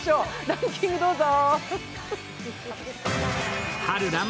ランキングどうぞ。